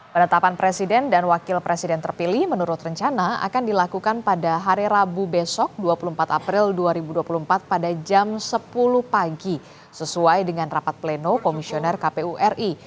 penetapan presiden dan wakil presiden terpilih menurut rencana akan dilakukan pada hari rabu besok dua puluh empat april dua ribu dua puluh empat pada jam sepuluh pagi sesuai dengan rapat pleno komisioner kpu ri